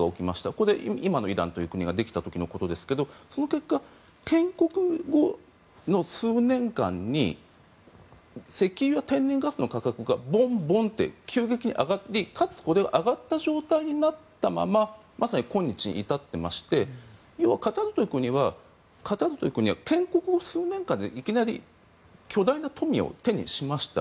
これ、今のイランという国ができた時のことですがその結果、建国後の数年間に石油、天然ガスの価格がボンボンと急激に上がりかつ、これが上がった状態になったまままさに今日に至っていまして要はカタールという国は建国後、数年間でいきなり巨大な富を手にしました。